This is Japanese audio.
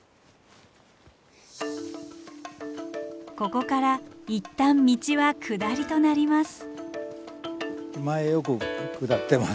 ここからいったん道は下りとなります。